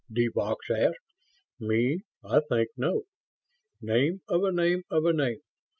de Vaux asked. "Me, I think no. Name of a name of a name!